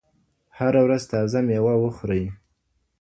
هره ورځ تازه مېوه وخورئ.